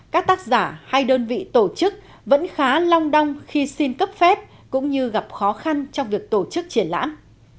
các tác giả hay đơn vị tổ chức vẫn khá long đong khi xin cấp phép cũng như gặp khó khăn trong việc tổ chức triển lãm